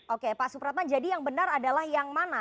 oke pak supratman jadi yang benar adalah yang mana